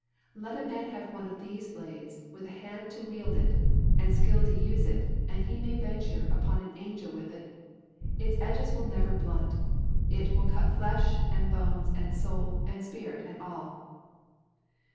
"Let a man have one of these blades with a hand to wield it, and skill to use it, and he may venture upon an angel with it. Its edges will never blunt. It will cut flesh, and bones, and soul, and spirit, and all."